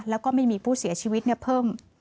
แล้วก็ไม่มีผู้เสียชีวิตเพิ่ม